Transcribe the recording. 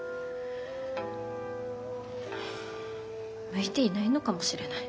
向いていないのかもしれない。